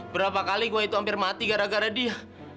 berapa kali gue itu hampir mati gara gara dia